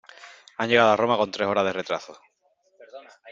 Han llegado a Roma con tres horas de retraso.